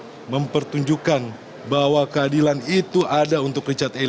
hari ini mempertunjukkan bahwa keadilan itu ada untuk richard eliezer